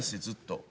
ずっと。